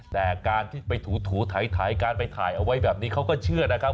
แต่การที่ไปถูถ่ายการไปถ่ายเอาไว้แบบนี้เขาก็เชื่อนะครับ